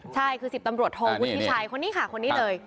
ใช่คือ๑๐ตำรวจโทวุฒิชัยคนนี้ค่ะคนนี้เลย